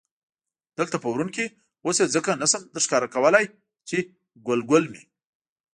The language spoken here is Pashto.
دلته په ورون کې، اوس یې ځکه نه شم درښکاره کولای چې ګلګل مې.